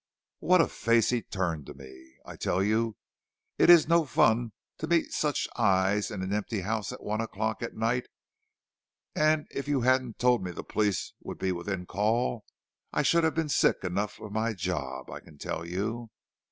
"What a face he turned to me! I tell you it is no fun to meet such eyes in an empty house at one o'clock at night; and if you hadn't told me the police would be within call I should have been sick enough of my job, I can tell you.